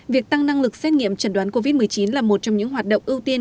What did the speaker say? việc tăng năng lực xét nghiệm chẩn đoán covid một mươi chín là một trong những hoạt động ưu tiên